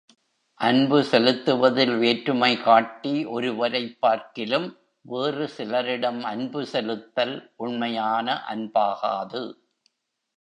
அன்பு செலுத்துவதில் வேற்றுமை காட்டி ஒரு வரைப் பார்க்கிலும் வேறு சிலரிடம் அன்பு செலுத்தல் உண்மையான அன்பாகாது.